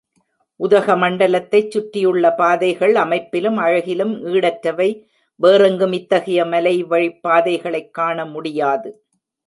உதகமண்டலத்தைச் சுற்றியுள்ள பாதைகள் அமைப்பிலும், அழகிலும் ஈடற்றவை, வேறெங்கும் இத்தகைய மலைவழிப் பாதைகளைக் காண முடியாது.